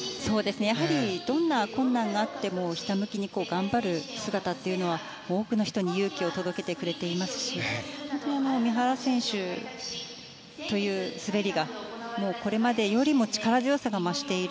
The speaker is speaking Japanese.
やはり、どんな困難があっても、ひたむきに頑張る姿は多くの人に勇気を届けてくれていますし三原選手という滑りがこれまでよりも力強さが増している。